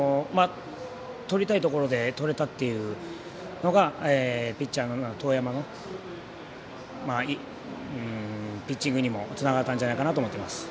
取りたいところで取れたっていうのがピッチャーの當山のピッチングにもつながったんじゃないかなと思っています。